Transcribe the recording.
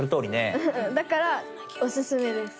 だからおすすめです。